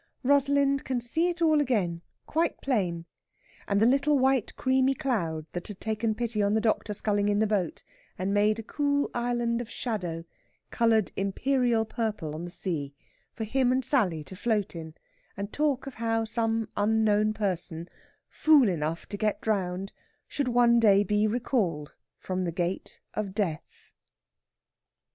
Rosalind can see it all again quite plain, and the little white creamy cloud that had taken pity on the doctor sculling in the boat, and made a cool island of shadow, coloured imperial purple on the sea, for him and Sally to float in, and talk of how some unknown person, fool enough to get drowned, should one day be recalled from the gate of Death.